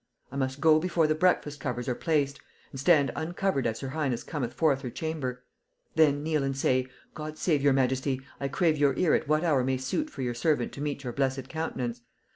I must go before the breakfast covers are placed, and stand uncovered as her highness cometh forth her chamber; then kneel and say, God save your majesty, I crave your ear at what hour may suit for your servant to meet your blessed countenance.